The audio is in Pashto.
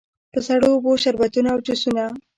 په سړو اوبو، شربتونو او جوسونو.